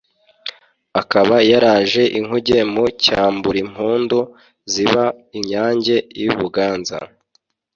Akaba yaraje inkuge mu cyambuImpundu ziba inyange i Buganza